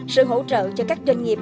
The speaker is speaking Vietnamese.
sự hỗ trợ cho các doanh nghiệp